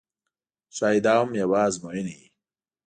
ښایي دا هم یوه آزموینه وي.